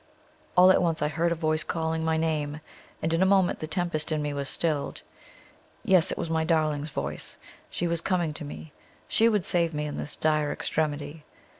All at once I heard a voice calling my name, and in a moment the tempest in me was stilled. Yes, it was my darling's voice she was coming to me she would save me in this dire extremity.